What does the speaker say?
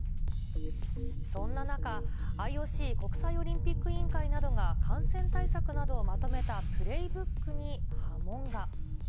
そんな中、ＩＯＣ・国際オリンピック委員会などが、感染対策などをまとめたプレイブックに波紋が。